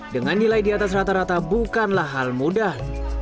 dengan nilai di atas rata rata bukanlah hal mudah